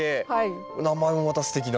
名前もまたすてきな。